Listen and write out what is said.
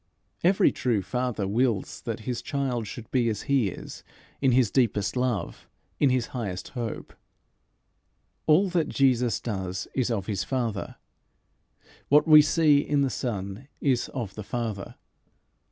Every true father wills that his child should be as he is in his deepest love, in his highest hope. All that Jesus does is of his Father. What we see in the Son is of the Father.